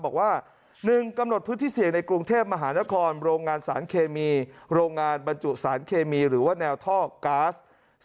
บอกว่า๑กำหนดพื้นที่เสี่ยงในกรุงเทพมหานครโรงงานสารเคมีโรงงานบรรจุสารเคมีหรือว่าแนวท่อก๊าซ